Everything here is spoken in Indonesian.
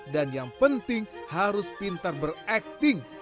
dan yang penting harus pintar berakting